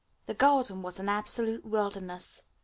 The garden was an absolute wilderness.